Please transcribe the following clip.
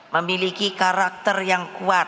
memiliki karakter yang kuat